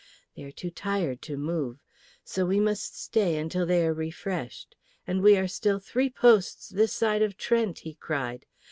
They are too tired to move. So we must stay until they are refreshed. And we are still three posts this side of Trent!" he cried.